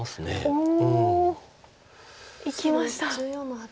おお！いきました。